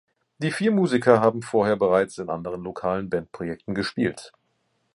Die vier Musiker haben vorher bereits in anderen lokalen Bandprojekten gespielt.